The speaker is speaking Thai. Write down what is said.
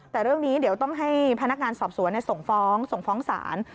แต่เรื่องนี้เดี๋ยวต้องให้พนักงานสอบสวนส่งฟ้องส่งฟ้องศาล